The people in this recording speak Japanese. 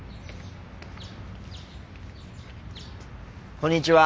こんにちは。